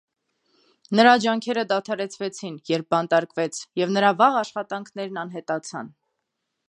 Նրա ջանքերը դադարեցվեցին, երբ բանտարկվեց, և նրա վաղ աշխատանքներն անհետացան։